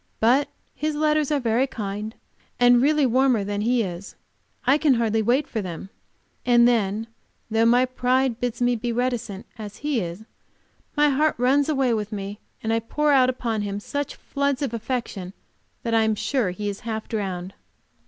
But his letters are very kind, and really warmer than he is. I can hardly wait for them, and then, though my pride bids me to be reticent as he is, my heart runs away with me, and I pour out upon him such floods of affection that I am sure he is half drowned.